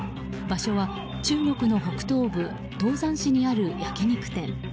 場所は中国の北東部唐山市にある焼き肉店。